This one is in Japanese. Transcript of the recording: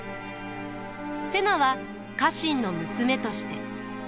瀬名は家臣の娘として。